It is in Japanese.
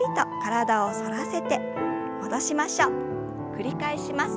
繰り返します。